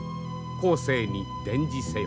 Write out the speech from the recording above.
「後世に伝示せよ」。